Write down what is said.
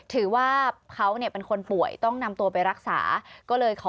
ถือว่าเขาเนี่ยเป็นคนป่วยต้องนำตัวไปรักษาก็เลยขอ